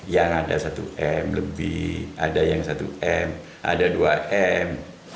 yang ada satu m lebih ada yang satu m ada dua m